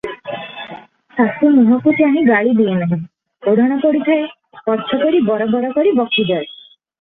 ଶାଶୁ ମୁହଁକୁ ଚାହିଁ ଗାଳି ଦିଏ ନାହିଁ; ଓଢ଼ଣା ପଡ଼ିଥାଏ, ପଛ କରି ବରବର କରି ବକିଯାଏ ।